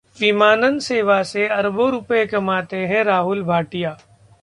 विमानन सेवा से अरबों रुपये कमाते हैं राहुल भाटिया